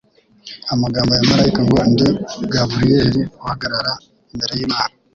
Amagambo ya marayika ngo, '' Ndi Gaburiyeli, uhagarara imbere y'Imana,''